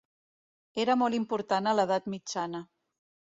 Era molt important a l'Edat Mitjana.